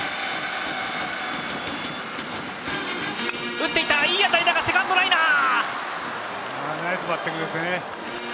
打っていったがセカンドライナー！ナイスバッティングですね。